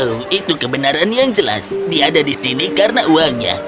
oh itu kebenaran yang jelas dia ada di sini karena uangnya